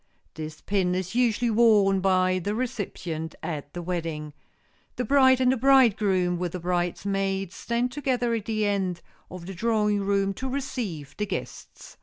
This pin is usually worn by the recipient at the wedding. The bride and the bridegroom with the bridesmaids stand together at the end of the drawing room to receive the guests.